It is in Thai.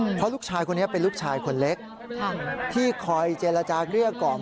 เพราะลูกชายคนนี้เป็นลูกชายคนเล็กที่คอยเจรจาเกลี้ยกล่อม